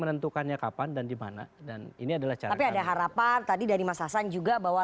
menentukannya kapan dan dimana dan ini adalah tapi ada harapan tadi dari mas hasan juga bahwa